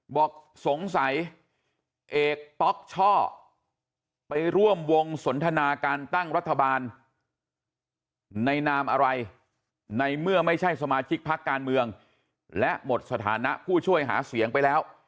บอกสงสัยเอกป๊อกช่อไปร่วมวงสนทนาการตั้งรัฐบาลในนามอะไรในเมื่อไม่ใช่สมาชิกพักการเมืองและหมดสถานะผู้ช่วยหาเสียงไปแล้ว